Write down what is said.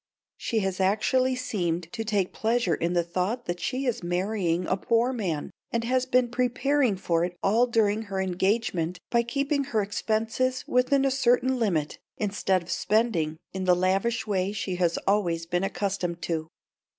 She has actually seemed to take pleasure in the thought that she is marrying a poor man, and has been preparing for it all during her engagement by keeping her expenses within a certain limit instead of spending in the lavish way she has always been accustomed to.